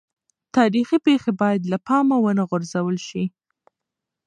تاریخي پېښې باید له پامه ونه غورځول سي.